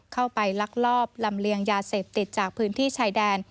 ลักลอบลำเลียงยาเสพติดจากพื้นที่ชายแดน